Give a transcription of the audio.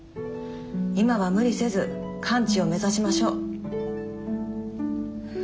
今は無理せず完治を目指しましょう。